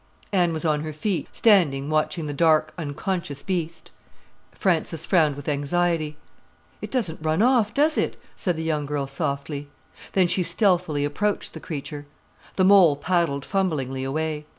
Anne was on her feet, standing watching the dark, unconscious beast. Frances frowned with anxiety. "It doesn't run off, does it?" said the young girl softly. Then she stealthily approached the creature. The mole paddled fumblingly away.